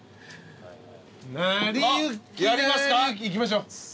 いきましょう。